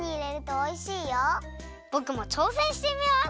ぼくもちょうせんしてみます！